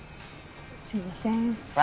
すいません。